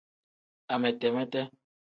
Amete-mete.